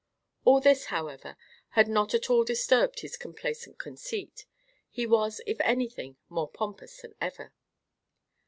All this, however, had not at all disturbed his complacent conceit; he was, if anything, more pompous than ever.